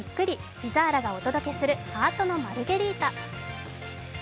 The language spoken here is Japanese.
ピザーラがお届けするハートのマルゲリータ。